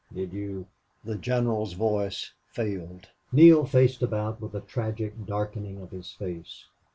Did you " The general's voice failed. Neale faced about with a tragic darkening of his face.